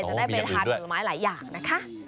จะได้ไปทานผลไม้หลายอย่างนะคะ